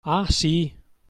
Ah, sì.